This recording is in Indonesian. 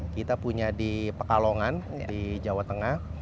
kita punya di pekalongan di jawa tengah